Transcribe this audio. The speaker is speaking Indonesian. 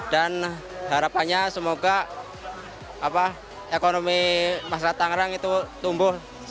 dan harapannya semoga ekonomi masyarakat tangerang itu tumbuh